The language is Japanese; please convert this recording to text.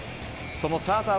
そのシャーザー